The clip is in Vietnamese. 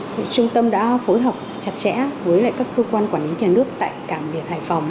thì trung tâm đã phối hợp chặt chẽ với các cơ quan quản lý nhà nước tại cảng biển hải phòng